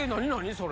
それ？